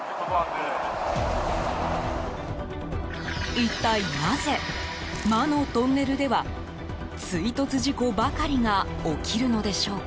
一体なぜ、魔のトンネルでは追突事故ばかりが起きるのでしょうか。